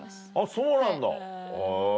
そうなんだへぇ。